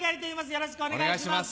よろしくお願いします。